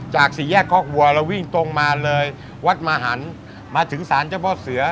สี่แยกคอกวัวเราวิ่งตรงมาเลยวัดมหันมาถึงสารเจ้าพ่อเสือ